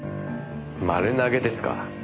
丸投げですか。